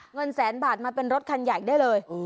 เงินแสนบาทมาเป็นรถคันใหญ่ได้เลย